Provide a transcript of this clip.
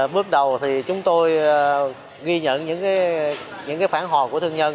bước đầu thì chúng tôi ghi nhận những phản hồi của thương nhân